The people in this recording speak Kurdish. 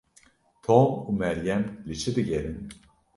Tom û Meryem li çi digerin?